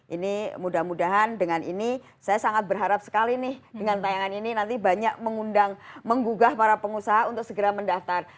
ini mudah mudahan dengan ini saya sangat berharap sekali nih dengan tayangan ini nanti banyak mengundang menggugah para pengusaha untuk segera mendaftar